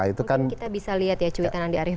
mungkin kita bisa lihat ya cuitan andi arief